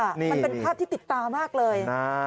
มันเป็นภาพที่ติดตามากเลย